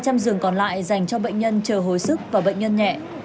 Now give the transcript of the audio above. các bệnh nhân còn lại dành cho bệnh nhân chờ hồi sức và bệnh nhân nhẹ